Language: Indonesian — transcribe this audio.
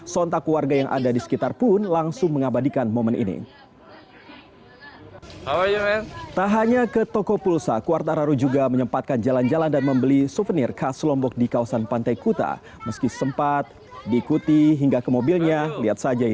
sontak warga yang ada di sekitar pun langsung mengabadikan momen ini